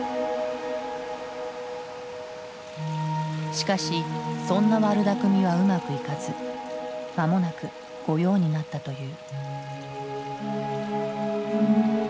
しかしそんな悪だくみはうまくいかず間もなく御用になったという。